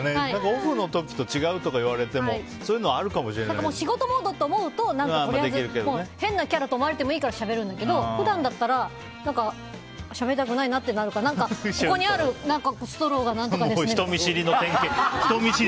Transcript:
オフの時と違うとか言われても仕事モードって思うと変なキャラだと思われてもいいからしゃべるんだけど普段だったらしゃべりたくないなってなるからここにあるストローが何とかですねとか。